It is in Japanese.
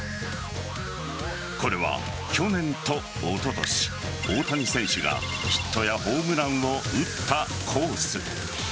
これは、去年とおととし大谷選手がヒットやホームランを打ったコース。